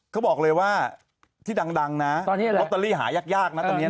เขาบอกเลยว่าที่ดังดังนะตอนนี้อะไรล็อตเตอรี่หายากยากนะตอนเนี้ยนะ